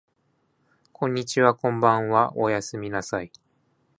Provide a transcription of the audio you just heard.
こんにちはこんばんはおやすみなさい